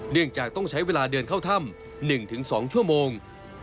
เนื่องจากต้องใช้เวลาเดินเข้าถ้ำ๑๒ชั่วโมง